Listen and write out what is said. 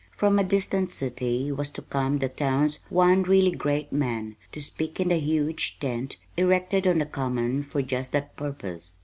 From a distant city was to come the town's one really Great Man, to speak in the huge tent erected on the Common for just that purpose.